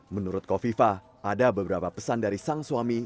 menurut kofifa ada beberapa pesan dari sang suami